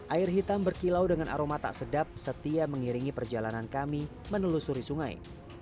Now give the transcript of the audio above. air hitam berkilau dengan aroma tak sedap setia mengiringi perjalanan kami menelusuri sungai